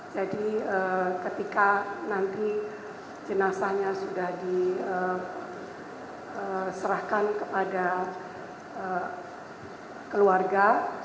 ketika nanti jenazahnya sudah diserahkan kepada keluarga